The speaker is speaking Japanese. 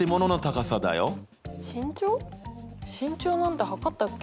身長なんて測ったっけ？